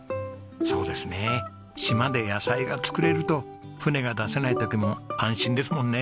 そうですね島で野菜が作れると船が出せない時も安心ですもんね。